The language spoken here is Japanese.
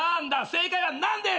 正解はナンです！